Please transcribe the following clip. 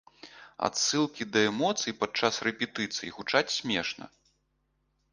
Адсылкі да эмоцый падчас рэпетыцый гучаць смешна.